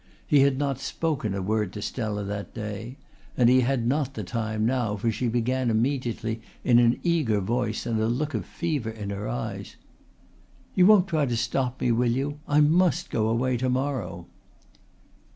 He had not spoken a word to Stella that day, and he had not the time now, for she began immediately in an eager voice and a look of fever in her eyes: "You won't try to stop me, will you? I must go away to morrow."